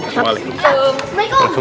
keselan gue betul